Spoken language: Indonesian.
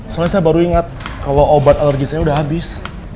soalnya saya baru ingat kalau obat alergi saya sudah habis